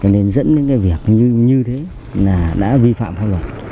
nên dẫn đến cái việc như thế là đã vi phạm pháp luật